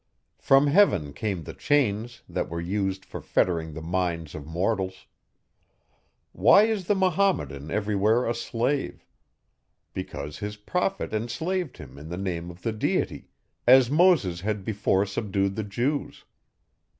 From heaven came the chains, that were used for fettering the minds of mortals. Why is the Mahometan every where a slave? Because his prophet enslaved him in the name of the Deity, as Moses had before subdued the Jews.